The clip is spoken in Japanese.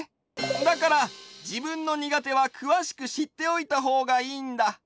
だからじぶんのにがてはくわしくしっておいたほうがいいんだ。